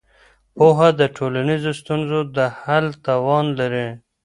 پوهه د ټولنیزو ستونزو د حل توان لري.